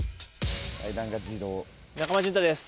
中間淳太です